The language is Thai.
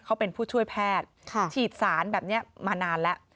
เขาเป็นผู้ช่วยแพทย์ฉีดสารแบบนี้มานานแล้ว